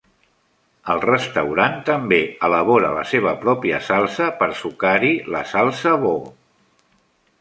El restaurant també elabora la seva pròpia salsa per sucar-hi, la salsa Bo.